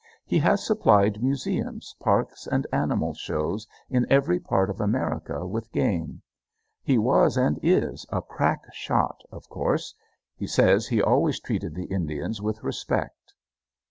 He has supplied museums, parks, and animal shows in every part of America with game. He was and is a crack shot, of course. He says he always treated the Indians with respect.